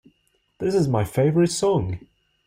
This is my favorite song!